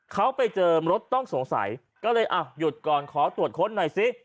เขาไปเจอรถต้องสงสัยก็เลยอ่ะหยุดก่อนขอตรวจค้นหน่อยสิ